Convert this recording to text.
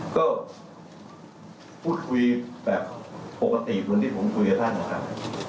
ก็พูดคุยแบบปกติเหมือนที่ผมคุยกับท่านนะครับ